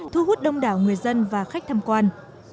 thu hút đông đảo người dân và khách tham quan